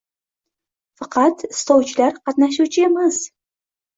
Faqat istovchilar qatnashuvchi emas.